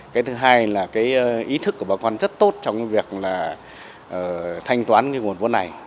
cái thứ hai là cái ý thức của bà con rất tốt trong cái việc là thanh toán cái nguồn vốn này